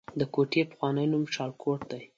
د کوټې پخوانی نوم شالکوټ دی